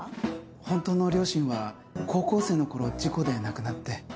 本当の両親は高校生の頃事故で亡くなって。